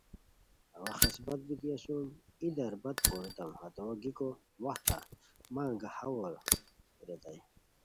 اوا خسمت بیتی اسوم، ای دربت پوریتام، ہتو گیکو وختہ مہ انگاہاوے ریتائے